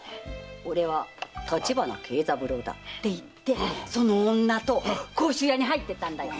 「俺は立花慶三郎だ」って言ってその女と甲州屋に入ってったんだよ。